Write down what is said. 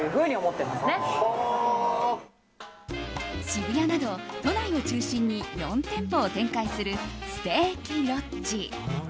渋谷など都内を中心に４店舗を展開するステーキロッヂ。